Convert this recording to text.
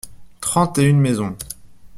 Trente et une maisons.